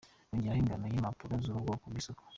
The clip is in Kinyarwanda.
Birongera ingano y’impapuro z’ubu bwoko ku isoko.